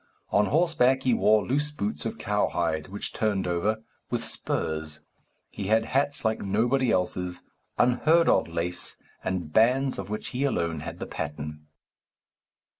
On horseback he wore loose boots of cow hide, which turned over, with spurs. He had hats like nobody else's, unheard of lace, and bands of which he alone had the pattern.